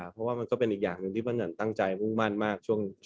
เพราะว่ามันก็เป็นอีกอย่างหนึ่งที่ปั้นหยันตั้งใจมุ่งมั่นมากช่วง